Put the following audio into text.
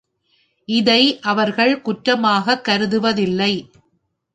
இதை அவர்கள் குற்றமாகக் கருதுவதில்லை.